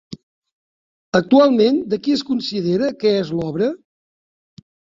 Actualment de qui es considera que és l'obra?